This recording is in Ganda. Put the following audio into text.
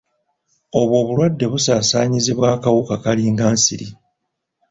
Obwo obulwadde busaasaanyizibwa akawuka kalinga nsiri.